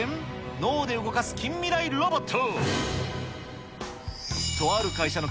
脳で動かす近未来ロボット。